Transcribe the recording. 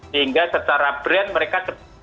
sehingga secara brand mereka